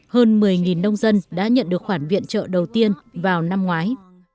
hơn một mươi nông dân đã nhận được khoản viện trợ đầu tiên vào năm ngoái